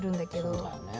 そうだよね。